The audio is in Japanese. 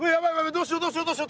どうしようどうしようどうしよう！